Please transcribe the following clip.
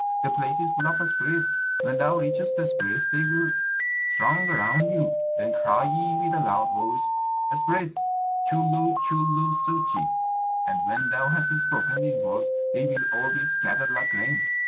The place is full of spirits. When thou reachest the spirits, they will throng around you; then cry ye with a loud voice, 'Spirits, chu lu chu lu ssochi!' And when thou hast spoken these words, they will all be scattered like grain.